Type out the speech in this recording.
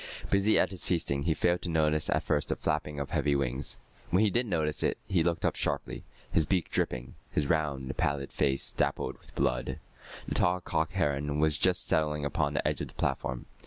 Busy at his feasting, he failed to notice at first the flapping of heavy wings. When he did notice it he looked up sharply, his beak dripping, his round, pallid face dappled with blood. The tall cock heron was just settling upon the edge of the platform.